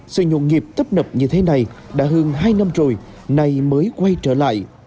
sự nhuận nghiệp tấp nập như thế này đã hơn hai năm rồi nay mới quay trở lại